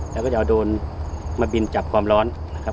แล้วก็จะเอาโดนมาบินจับความร้อน